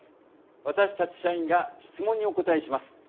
私たち社員が質問にお答えします。